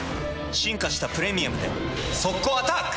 進化した「プレミアム」で速攻アタック！